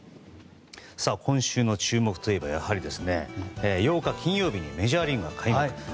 今週の注目といえばやはり８日金曜日にメジャーリーグが開幕。